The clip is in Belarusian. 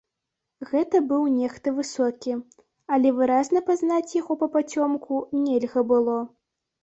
Гэта быў нехта высокі, але выразна пазнаць яго папацёмку нельга было.